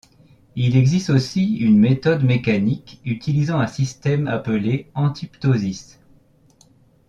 Il existe aussi une méthode mécanique utilisant un système appelé anti-ptosis.